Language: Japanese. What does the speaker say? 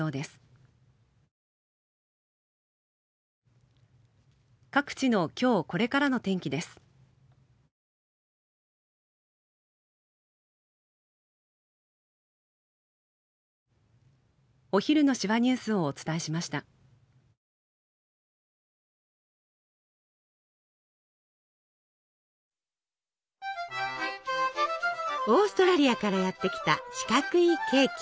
オーストラリアからやって来た四角いケーキ！